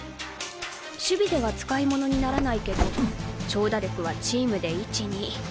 守備では使い物にならないけど長打力はチームで１・２。